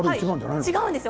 違うんですよ。